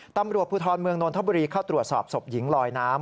ตำรวจภูทรเมืองนนทบุรีเข้าตรวจสอบศพหญิงลอยน้ำ